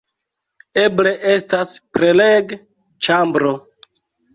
Eble estas preleg-ĉambro